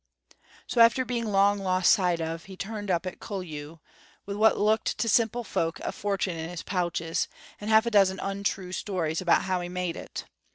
"So after being long lost sight o' he turned up at Cullew, wi' what looked to simple folk a fortune in his pouches, and half a dozen untrue stories about how he made it.